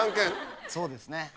そうですね。